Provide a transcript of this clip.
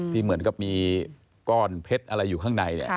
เหมือนกับมีก้อนเพชรอะไรอยู่ข้างใน